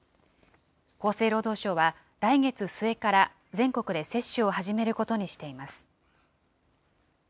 厚生労働省は、来月末から全国で接種を始めることにしています。